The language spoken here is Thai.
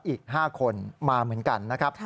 อีก๕คนมาเหมือนกันนะครับ